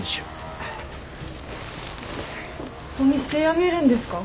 お店辞めるんですか？